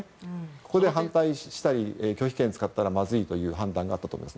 ここで反対や拒否権を使ったらまずいという判断があったと思います。